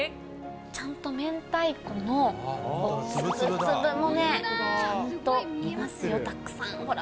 ちゃんと明太子の粒々もね、ちゃんといますよ、たくさん、ほら。